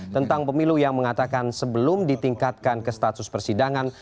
tentang pemilu yang mengatakan sebelum ditingkatkan ke status persidangan